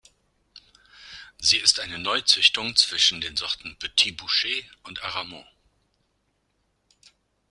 Sie ist eine Neuzüchtung zwischen den Sorten Petit Bouschet und Aramon.